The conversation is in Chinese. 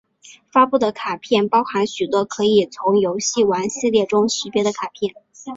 发布的卡片包含许多可以从游戏王系列中识别的卡片！